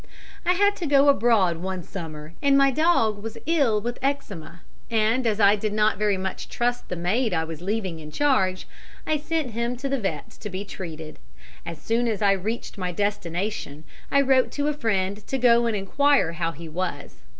I had to go abroad one summer and my dog was ill with eczema, and as I did not very much trust the maid I was leaving in charge, I sent him to the vet's to be treated. As soon as I reached my destination I wrote to a friend to go and inquire how he was.